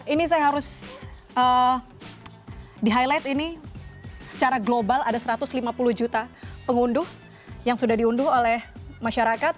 ini saya harus di highlight ini secara global ada satu ratus lima puluh juta pengunduh yang sudah diunduh oleh masyarakat